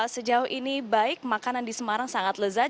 sejauh ini baik makanan di semarang sangat lezat